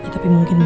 tapi mungkin tidak